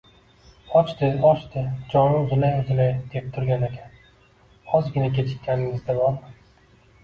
-Ochdi, ochdi, joni uzilay-uzilay deb turganakan, ozgina kechikkaningizda bormi…